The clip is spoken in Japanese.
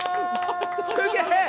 すげえ！